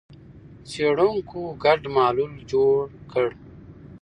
څېړونکو ګډ محلول جوړ کړ.